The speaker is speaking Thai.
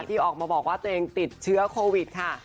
ที่ออกมาบอกว่าตัวเองติดเชื้อโควิดค่ะ